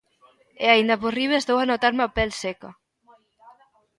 E aínda por riba estou a notarme a pel seca!